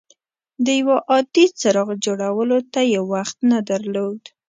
د یو عادي څراغ جوړولو ته یې وخت نه درلود.